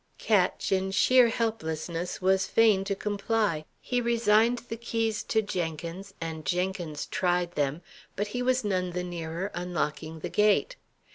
Ketch, in sheer helplessness, was fain to comply. He resigned the keys to Jenkins, and Jenkins tried them: but he was none the nearer unlocking the gate.